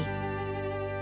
bã cà phê